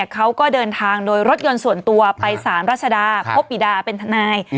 เขาก็เดินทางโดยรถยนต์ส่วนตัวไปสารรัชดาพบปิดาเป็นทนาย